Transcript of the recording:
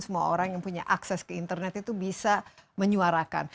semua orang yang punya akses ke internet itu bisa menyuarakan